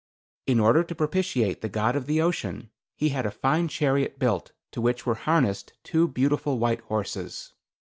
In order to propitiate the god of the ocean, he had a fine chariot built to which were harnessed two beautiful white horses.